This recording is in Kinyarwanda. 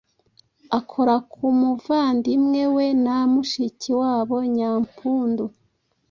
akora ku muvandimwe we na mushiki wabo Nyampundu.